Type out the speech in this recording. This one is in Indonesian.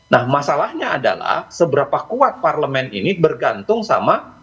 nah masalahnya adalah seberapa kuat parlemen ini bergantung sama